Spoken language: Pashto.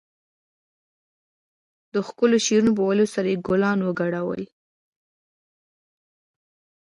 د ښکلو شعرونو په ويلو سره يې ګلان وکرل.